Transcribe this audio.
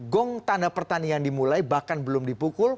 gong tanda pertanian dimulai bahkan belum dipukul